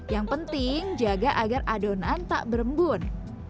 yang penting jaga agar adonan tak berembun